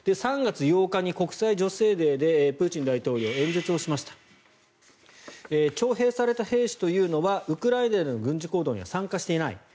３月８日に国際女性デーでプーチン大統領は演説をしました徴兵された兵士たちというのはウクライナの軍事行動には参加していない。